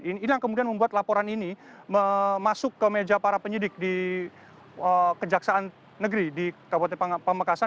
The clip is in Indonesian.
ini yang kemudian membuat laporan ini masuk ke meja para penyidik di kejaksaan negeri di kabupaten pamekasan